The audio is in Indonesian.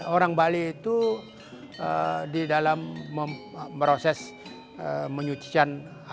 orang bali itu di dalam proses menyucikan